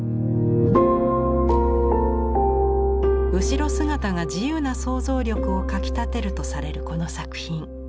後ろ姿が自由な想像力をかきたてるとされるこの作品。